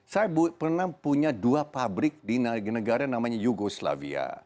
saya pernah punya dua pabrik di negara namanya yugoslavia